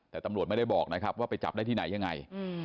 แต่ตำรวจไม่ได้บอกนะครับว่าไปจับได้ที่ไหนยังไง